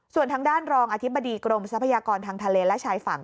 ส่วนทางด้านรองอธิบดีกรมทรัพยากรทางทะเลและชายฝั่ง